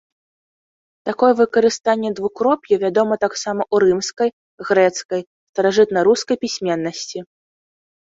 Такое выкарыстанне двукроп'я вядома таксама ў рымскай, грэцкай, старажытнарускай пісьменнасці.